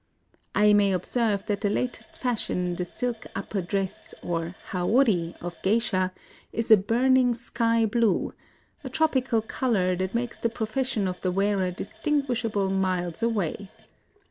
I may observe that the latest fashion in the silk upper dress, or haori, of geisha, is a burning sky blue, — a tropical color that makes the profession of the wearer dis tinguishable miles away.